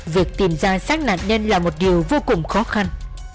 việc tìm ra sát nạn nhân là một điều vô cùng khó khăn